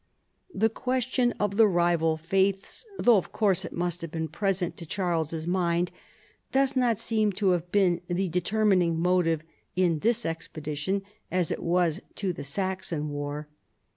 The question of the rival faiths, though of course it must have been present to Charles's mind, does not seem to have been the determining motive to this expedition as it was to the Saxon war.